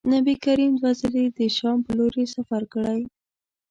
نبي کریم دوه ځلي د شام پر لوري سفر کړی.